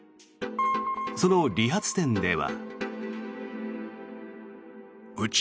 その理髪店では。